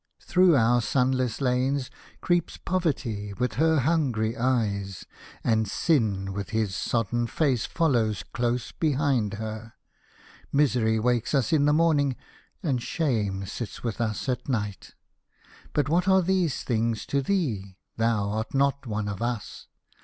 Through our sun less lanes creeps Poverty with her hungry eyes, and Sin with his sodden face follows close behind her. Misery wakes us in the morning, and Shame sits with us at night. But what are these things to thee ? Thou art not one of us.